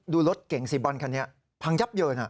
รถเก่งสีบอลคันนี้พังยับเยิน